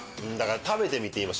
だから食べてみて。